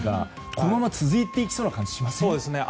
このまま続いていきそうな感じがそうですね。